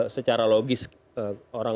secara logis orang